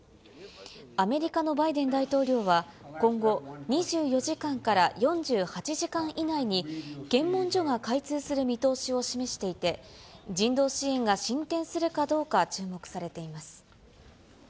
アメリカのバイデン大統領は、今後、２４時間から４８時間以内に、検問所が開通する見通しを示していて、人道支援が進展するかどうか注目されています。